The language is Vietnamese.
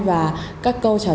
và các câu trả lời đúng sai